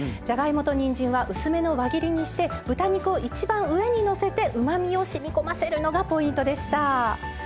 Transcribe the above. じゃがいもとにんじんは薄めの輪切りにして豚肉を一番上にのせてうまみをしみこませるのがポイントでした。